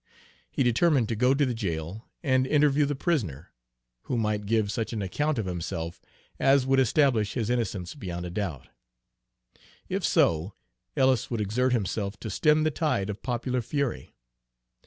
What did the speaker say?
He determined to go to the jail and interview the prisoner, who might give such an account of himself as would establish his innocence beyond a doubt. If so, Ellis would exert himself to stem the tide of popular fury.